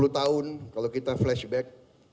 sepuluh tahun kalau kita flashback